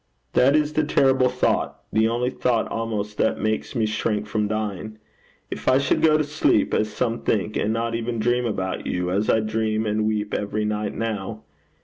That is the terrible thought the only thought almost that makes me shrink from dying. If I should go to sleep, as some think, and not even dream about you, as I dream and weep every night now!